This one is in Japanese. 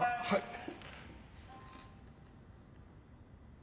はい。